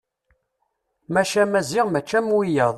Maca Maziɣ mačči am wiyaḍ.